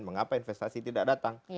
mengapa investasi tidak datang